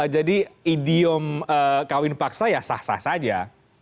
jadi idiom kawin paksa ya sah sah saja